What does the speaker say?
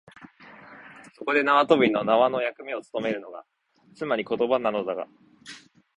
そこで縄跳びの縄の役目をつとめるのが、つまり言葉なのだが、